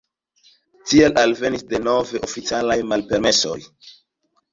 Tial alvenis denove oficialaj malpermesoj.